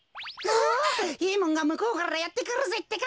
あっいいもんがむこうからやってくるぜってか。